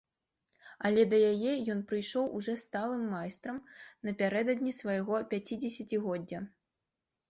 Але да яе ён прыйшоў ужо сталым майстрам, напярэдадні свайго пяцідзесяцігоддзя.